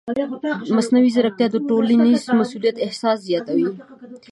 مصنوعي ځیرکتیا د ټولنیز مسؤلیت احساس زیاتوي.